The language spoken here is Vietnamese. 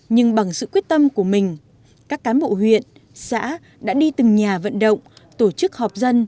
nhưng bằng sự quyết tâm của mình các cán bộ huyện xã đã đi từng nhà vận động tổ chức họp dân